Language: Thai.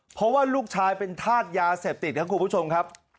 เพราะว่าลูกชายเป็นธาตุยาเสพติดครับคุณผู้ชมครับ